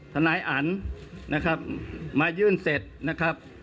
นายอันนะครับมายื่นเสร็จนะครับ